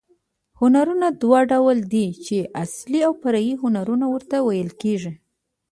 هنرونه دوه ډول دي، چي اصلي او فرعي هنرونه ورته ویل کېږي.